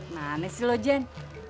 manis sih loh jen